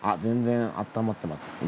全然あったまってます。